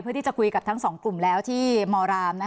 เพื่อที่จะคุยกับทั้งสองกลุ่มแล้วที่มราม